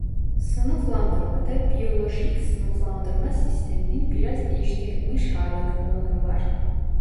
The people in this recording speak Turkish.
Sınıflandırmada biyolojik sınıflandırma sisteminin biraz değiştirilmiş halini kullanırlar.